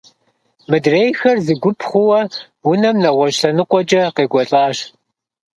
Мыдрейхэр зы гуп хъууэ унэм нэгъуэщӏ лъэныкъуэкӏэ къекӏуэлӏащ.